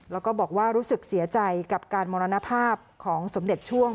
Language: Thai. แล้วก็บอกว่ารู้สึกเสียใจกับการมรณภาพของสมเด็จช่วง